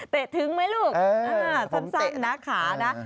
ถึงไหมลูกสั้นนะขานะ